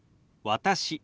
「私」。